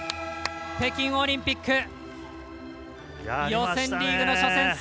北京オリンピック予選リーグの初戦